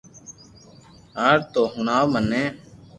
يار تو تو ھڻاو مين